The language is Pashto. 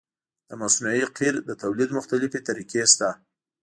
د مصنوعي قیر د تولید مختلفې طریقې شته